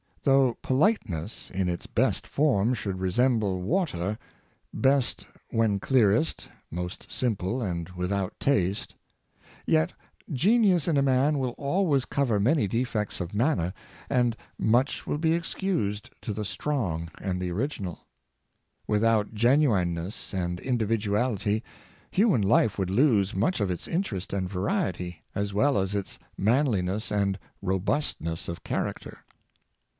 Though politeness, in its best form, should resemble water —^' best when clearest, most simple, and without taste "— yet genius in a man will always cover many defects of manner, and much will be excused to the strong .and the original. Without genuineness and in dividuality, human life would lose much of its interest and variety, as well as its manliness and robustness of character.